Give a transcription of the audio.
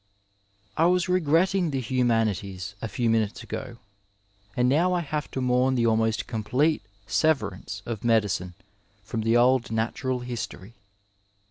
I was regretting the Jmrnamties a few minutes ago, and now I have to mourn the almost complete severance of medicine from the old natural history.